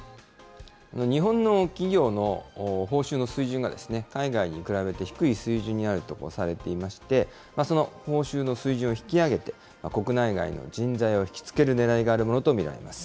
日本の企業の報酬の水準が海外に比べて低い水準にあるとされていまして、その報酬の水準を引き上げて、国内外の人材をひきつけるねらいがあるものと見られます。